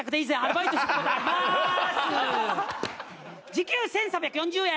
時給１３４０円。